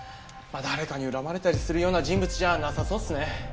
まあ誰かに恨まれたりするような人物じゃなさそうっすね。